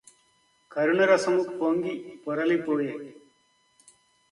కరుణరసము పొంగి పొరలిపోయె